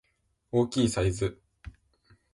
大きいサイズ